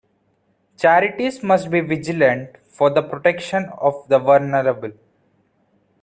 Charities must be vigilant for the protection of the vulnerable.